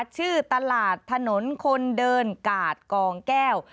ชื่อตลาดถนนคนเดินกาดกองแก้ว